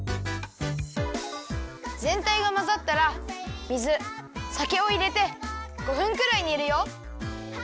ぜんたいがまざったら水さけをいれて５分くらいにるよ。